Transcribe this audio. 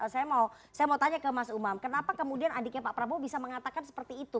saya mau tanya ke mas umam kenapa kemudian adiknya pak prabowo bisa mengatakan seperti itu